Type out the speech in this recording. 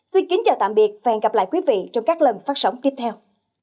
xin kính chào tạm biệt và hẹn gặp lại quý vị trong các lần phát sóng tiếp theo